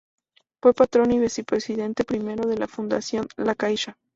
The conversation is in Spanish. Fue patrón y vicepresidente primero de la Fundación La Caixa.